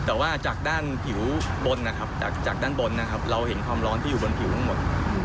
แต่ว่าจากด้านผิวบนเราเห็นความร้อนที่อยู่บนผิวทั้งหมด